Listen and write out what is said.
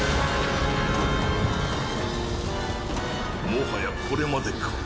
もはやこれまでか。